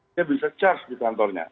dia bisa charge di kantornya